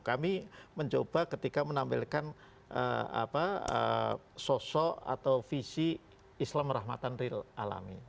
kami mencoba ketika menampilkan sosok atau visi islam rahmatan real alami